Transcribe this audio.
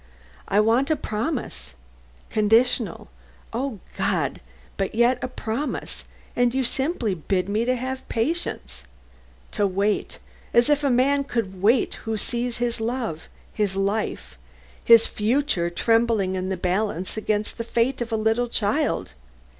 I want a promise conditional, O God! but yet a promise; and you simply bid me to have patience; to wait as if a man could wait who sees his love, his life, his future trembling in the balance against the fate of a little child.